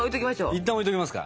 いったん置いときますか。